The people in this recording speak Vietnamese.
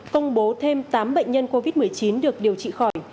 công bố thêm tám bệnh nhân covid một mươi chín được điều trị khỏi